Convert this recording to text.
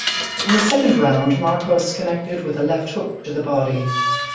In the second round, Marcos connected with a left hook to the body.